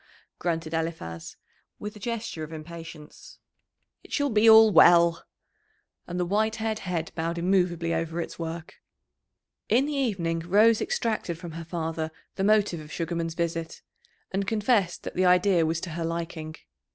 grunted Eliphaz, with a gesture of impatience. "It shall be all well." And the white haired head bowed immovably over its work. In the evening Rose extracted from her father the motive of Sugarman's visit, and confessed that the idea was to her liking.